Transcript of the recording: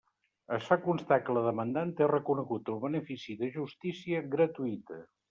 Es fa constar que la demandant té reconegut el benefici de justícia gratuïta.